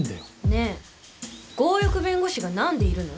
ねえ強欲弁護士が何でいるの？